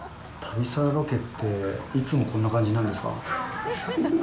旅サラダロケっていつもこんな感じなんですか？